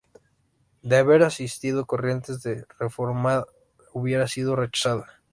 De haber asistido Corrientes, la reforma hubiera sido rechazada.